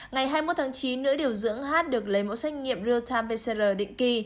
ngày hai mươi một tháng chín nữ điều dưỡng h được lấy mẫu xét nghiệm real time pcr định kỳ